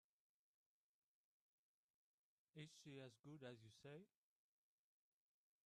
Is she as good as you say?